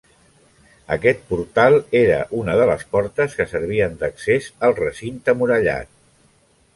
Aquest portal era una de les portes que servien d'accés al recinte murallat.